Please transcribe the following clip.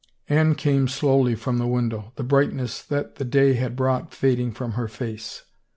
Anne came slowly from the window, the brightness that the day had brought fading from her face.